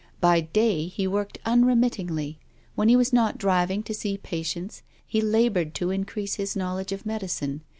By day he worked unremit tingly. When he was not driving to see patients he laboured to increase his knowledge of medicine.